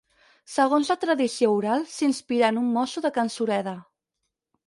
Segons la tradició oral, s'inspirà en un mosso de can Sureda.